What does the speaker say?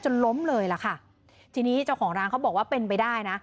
ล้มเลยล่ะค่ะทีนี้เจ้าของร้านเขาบอกว่าเป็นไปได้นะ